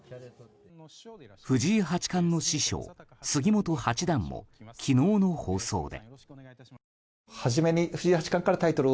藤井八冠の師匠・杉本八段も昨日の放送で。